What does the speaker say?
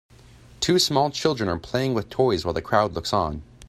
Two small children are playing with toys while the crowd looks on.